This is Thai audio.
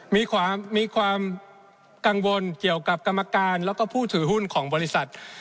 มีความกังวลเกี่ยวกับกรรมการแล้วก็ผู้ถือหุ้นของบริษัท